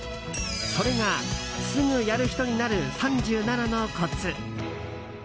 それが「すぐやる人になる３７のコツ」。